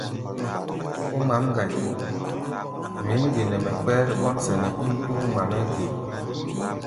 Ó ŋmǎʼm ŋgai, wɛ̌n ge mɛ́ kpɛ́r ɓɔ́nsɛnɛ́ ín ŋma-mɛ́ ge?